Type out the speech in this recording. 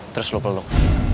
terus lo peluk